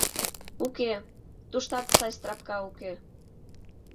Уке, туштат сай «страпка» уке.